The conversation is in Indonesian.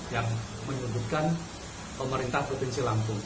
yang menyudutkan pemerintah provinsi lampung